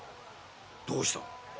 どうした？